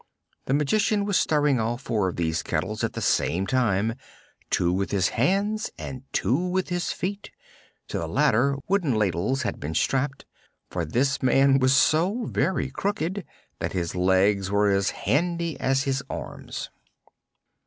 The Magician was stirring all four of these kettles at the same time, two with his hands and two with his feet, to the latter, wooden ladles being strapped, for this man was so very crooked that his legs were as handy as his arms.